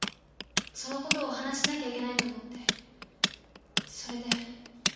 その事をお話ししなきゃいけないと思ってそれで。